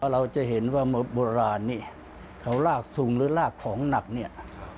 เราจะเห็นว่าโบราณนี่เขาลากซุงหรือลากของหนักเนี่ย